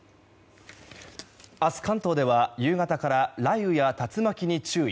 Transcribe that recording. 明日、関東では夕方から雷雨や竜巻に注意。